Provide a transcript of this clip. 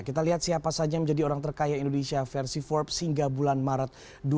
kita lihat siapa saja yang menjadi orang terkaya indonesia versi forbes hingga bulan maret dua ribu dua puluh